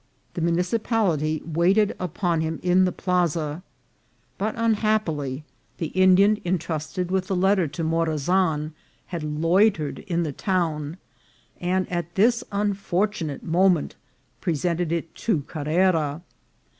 The municipality waited upon him in the plaza ; but, un happily, the Indian intrusted with the letter to Morazan had loitered in the town, and at this unfortunate mo ment presented it to Carrera.